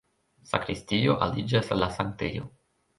Sakristio aliĝas al la sanktejo.